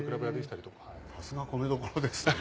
さすが米どころですね。